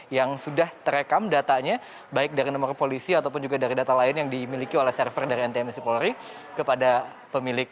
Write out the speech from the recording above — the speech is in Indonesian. yang sudah terekam datanya baik dari nomor polisi ataupun juga dari data lain yang dimiliki oleh server dari ntmic polri kepada pemilik